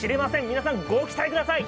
皆さん、ご期待ください。